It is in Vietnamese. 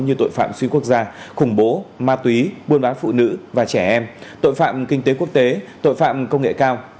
những thách thức an ninh truyền thống như tội phạm suy quốc gia khủng bố ma túy buôn bán phụ nữ và trẻ em tội phạm kinh tế quốc tế tội phạm công nghệ cao